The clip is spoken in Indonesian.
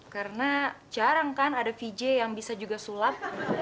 karena jarang kan ada pj yang bisa juga sulap